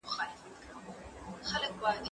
ځواب وليکه!.